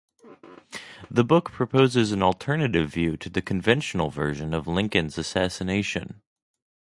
The book proposes an alternative view to the conventional version of Lincoln's assassination.